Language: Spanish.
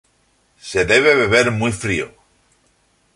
Se debe beber muy frío.